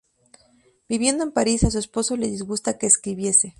Viviendo en París, a su esposo le disgustaba que escribiese.